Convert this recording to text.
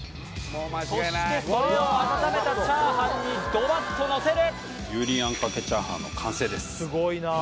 そして、それを温めたチャーハンにドバッと乗せる。